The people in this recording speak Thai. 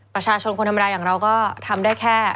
ประชาชนคนธรรมดาอย่างเราก็ทำได้แค่